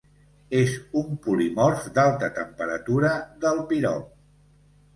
És un polimorf d'alta temperatura del pirop.